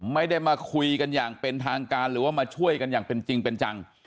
ไม่ได้มาคุยกันอย่างเป็นทางการหรือว่ามาช่วยกันอย่างเป็นจริงเป็นจัง